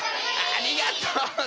ありがとう！